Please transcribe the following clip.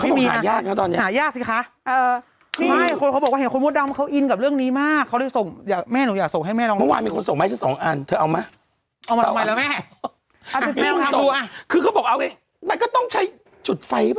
ไฟลายปรับผ้านุ่มกึ่งเข้มหัวเดียวตอบโจทย์ปัญหาผิว